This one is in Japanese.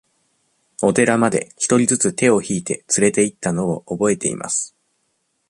お寺まで、一人ずつ手を引いて連れて行ったのを覚えています。